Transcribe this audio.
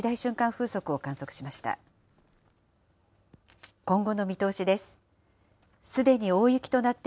風速を観測しました。